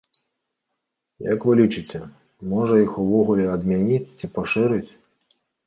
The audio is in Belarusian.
Як вы лічыце, можа іх увогуле адмяніць ці пашырыць?